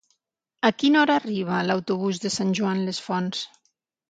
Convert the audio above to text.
A quina hora arriba l'autobús de Sant Joan les Fonts?